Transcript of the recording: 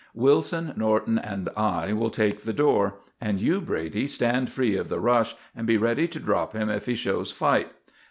Wilson, Norton, and I will take the door, and you, Brady, stand free of the rush and be ready to drop him if he shows fight.